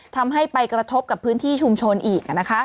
ทำให้ไปกระทบกับพื้นที่ชุมชนอีก